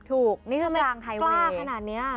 ถูกนี่คือกลางไฮเวย์